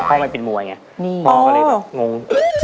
พ่อไม่เป็นมัวอย่างนี้พ่อก็เลยแบบงง